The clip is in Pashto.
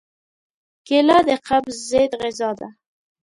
کېله د قبض ضد غذا ده.